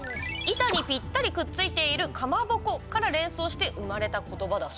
板にぴったりくっついているかまぼこから連想して生まれた言葉だそうです。